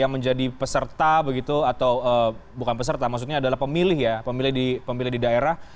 yang menjadi peserta begitu atau bukan peserta maksudnya adalah pemilih ya pemilih di daerah